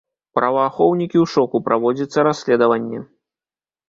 Праваахоўнікі ў шоку, праводзіцца расследаванне.